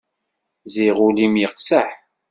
Ziɣ ul-im yeqseḥ.